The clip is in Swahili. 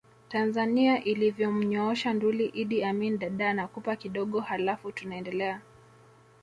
Tanzania ilivyomnyoosha Nduli Iddi Amin Dadaa nakupa kidogo haLafu tunaendelea